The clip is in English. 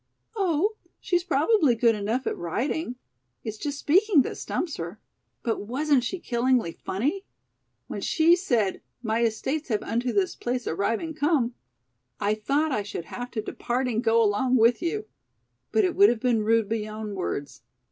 "Oh, she's probably good enough at writing. It's just speaking that stumps her. But wasn't she killingly funny? When she said 'my estates have unto this place arriving come,' I thought I should have to departing go along with you. But it would have been rude beyond words.